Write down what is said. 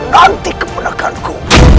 nanti keponakan ku